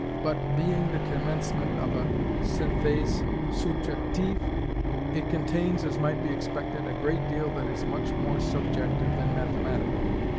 But, being the commencement of a Synthèse Subjective, it contains, as might be expected, a great deal that is much more subjective than mathematical.